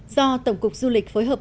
do tổng cục du lịch phối hợp